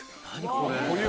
これ。